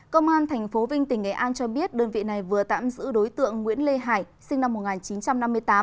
công an tp vinh tỉnh nghệ an cho biết đơn vị này vừa tạm giữ đối tượng nguyễn lê hải sinh năm một nghìn chín trăm năm mươi tám